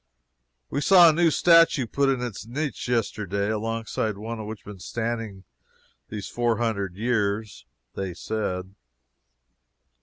We saw a new statue put in its niche yesterday, alongside of one which had been standing these four hundred years, they said.